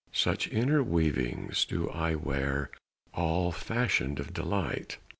Such inner weavings do I wear All fashioned of delight!